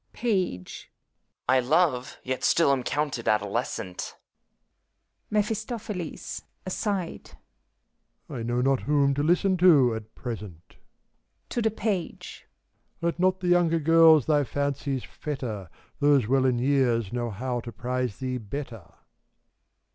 PAGE. I love, yet still am coimted adolescent. 58 FAUST, MEPHiSTOPHELES (aside), I know not whom to listen to, at present. (To the Page.) Let not the younger girls thy fancies fetter; Those well in years know how to prize thee better.